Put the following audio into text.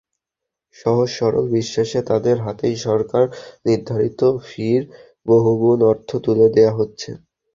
সহজ-সরল বিশ্বাসে তাদের হাতেই সরকার নির্ধারিত ফির বহুগুণ অর্থ তুলে দেওয়া হচ্ছে।